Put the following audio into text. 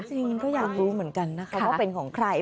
จริงก็อยากรู้เหมือนกันนะคะว่าเป็นของใคร